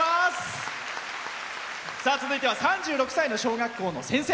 続いては３６歳の小学校の先生。